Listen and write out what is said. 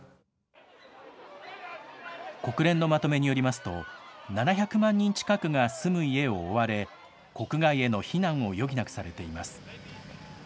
国連のまとめによりますと、７００万人近くが住む家を追われ、国外への避難を余儀なくされています。